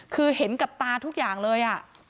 คือเห็นกับตาทุกอย่างเลย